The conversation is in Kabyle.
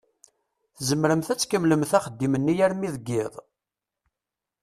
Tzemremt ad tkemmlemt axeddim-nni armi deg iḍ?